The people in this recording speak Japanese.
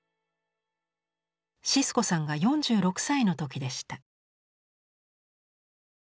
シスコさんが４６歳の時でした。